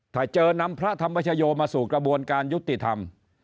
ถ้าเจอนำพระธรรมชโยมาสู่กระบวนการยุติธรรม